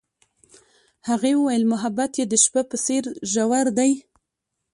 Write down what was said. هغې وویل محبت یې د شپه په څېر ژور دی.